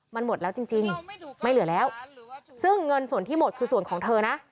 มันหมดแล้วจริงจริงไม่เหลือแล้วซึ่งเงินส่วนที่หมดคือส่วนของเธอนะ